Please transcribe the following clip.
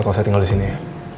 kalau saya tinggal disini ya